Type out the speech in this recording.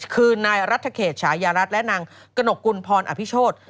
คือนายรัฐเขตฉายารัฐและนางกระหนกกุลพรอภิโชธ